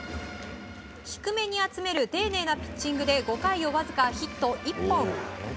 低めに集める丁寧なピッチングで５回をわずかヒット１本。